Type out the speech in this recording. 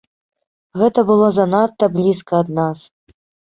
Гэта было занадта блізка ад нас.